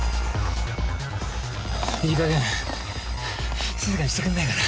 いいかげん静かにしてくんないかな？